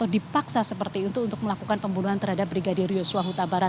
dipaksa seperti itu untuk melakukan pembunuhan terhadap brigadir yosua huta barat